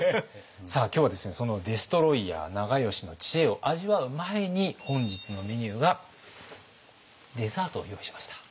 さあ今日はですねそのデストロイヤー長慶の知恵を味わう前に本日のメニューがデザートを用意しました。